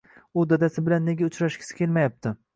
U dadasi bilan nega uchrashgisi kelmayapti